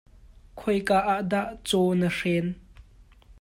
Khoika ah dah caw na hren?